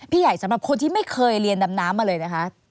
ใหญ่สำหรับคนที่ไม่เคยเรียนดำน้ำมาเลยนะคะ